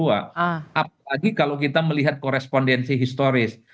apalagi kalau kita melihat korespondensi historis